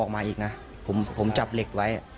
ออกมาอีกนะผมจับเหล็กไว้